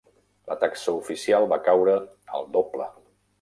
La taxa oficial va caure el doble.